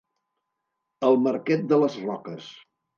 El Marquet de les Roques.